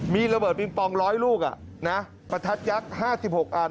มีระเบิดปิงปอง๑๐๐ลูกประทัดยักษ์๕๖อัน